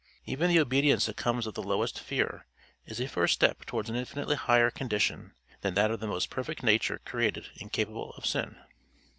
Even the obedience that comes of the lowest fear is a first step towards an infinitely higher condition than that of the most perfect nature created incapable of sin.